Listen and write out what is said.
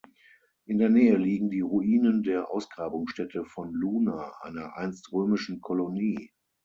In der Nähe liegen die Ruinen der Ausgrabungsstätte von Luna, einer einst römischen Kolonie.